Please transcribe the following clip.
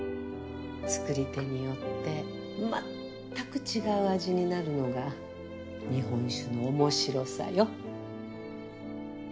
造り手によってまったく違う味になるのが日本酒の面白さよ。